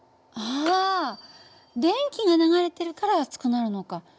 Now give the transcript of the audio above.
あ電気が流れてるから熱くなるのか。